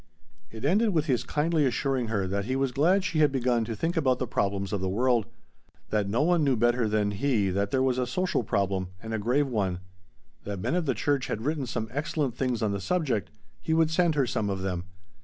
It ended with his kindly assuring her that he was glad she had begun to think about the problems of the world; that no one knew better than he that there was a social problem and a grave one; that men of the church had written some excellent things on the subject he would send her some of them.